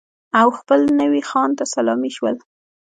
او خپل نوي خان ته سلامي شول.